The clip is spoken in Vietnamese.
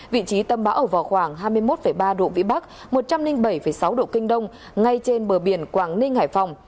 vị trí tâm bão ở vào khoảng hai mươi một ba độ vĩ bắc một trăm linh bảy sáu độ kinh đông ngay trên bờ biển quảng ninh hải phòng